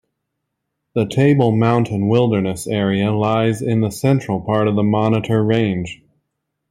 The Table Mountain Wilderness Area lies in the central part of the Monitor Range.